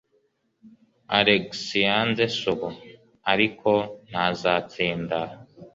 Alex yanze se ubu, ariko ntazatsinda.